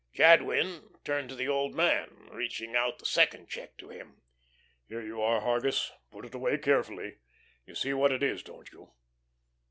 Jadwin turned to the old man, reaching out the second check to him. "Here you are, Hargus. Put it away carefully. You see what it is, don't you?